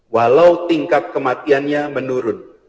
walau tingkat kematiannya menurun